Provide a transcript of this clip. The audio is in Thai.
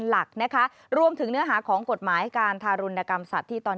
หลักนะคะรวมถึงเนื้อหาของกฎหมายการทารุณกรรมสัตว์ที่ตอนนี้